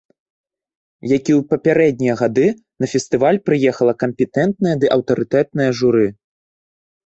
Як і ў папярэднія гады, на фестываль прыехала кампетэнтнае ды аўтарытэтнае журы.